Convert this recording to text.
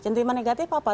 sentimen negatif apa